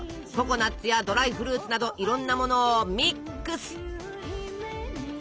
ココナツやドライフルーツなどいろんなものをミックス！